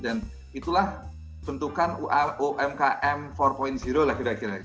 dan itulah bentukan umkm empat lah kira kira